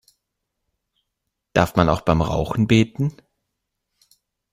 Darf man auch beim Rauchen beten?